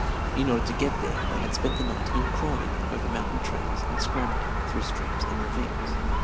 In order to get there they had spent the night in crawling over mountain trails and scrambling through streams and ravines.